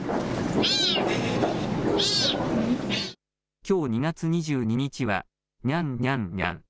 きょう２月２２日は、にゃん・にゃん・にゃん。